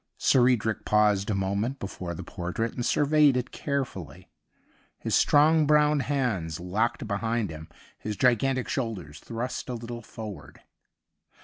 Sir Edric paused a moment before the portrait and surveyed it carefully^ his strong brown hands locked behind him, his gigantic shoulders thrust a little forward.